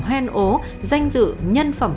hoen ố danh dự nhân phẩm